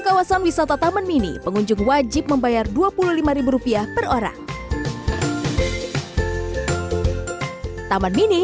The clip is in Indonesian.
kawasan wisata taman mini pengunjung wajib membayar dua puluh lima rupiah per orang taman mini